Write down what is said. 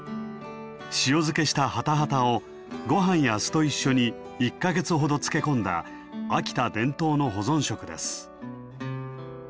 塩漬けしたハタハタをごはんや酢と一緒に１か月ほど漬け込んだ秋田伝統の保存食です。